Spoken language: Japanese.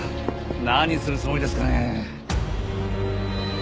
何するつもりですかね？